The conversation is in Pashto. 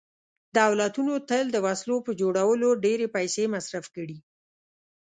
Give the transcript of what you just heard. دولتونو تل د وسلو په جوړولو ډېرې پیسې مصرف کړي